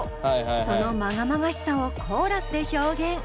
そのまがまがしさをコーラスで表現。